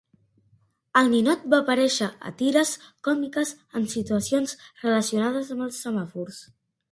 El ninot va aparèixer a tires còmiques en situacions relacionades amb els semàfors.